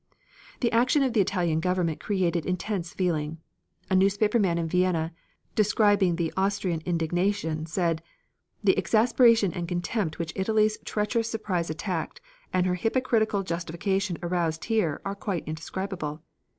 The action of the Italian Government created intense feeling. A newspaper man in Vienna, describing the Austrian indignation, said: "The exasperation and contempt which Italy's treacherous surprise attack and her hypocritical justification aroused here, are quite indescribable.